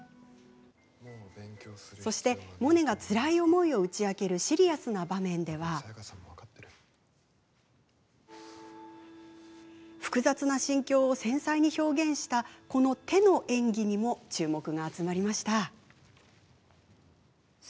そして、モネがつらい思いを打ち明けるシリアスな場面では複雑な心境を繊細に表現したこの手の演技にも注目が集まりました。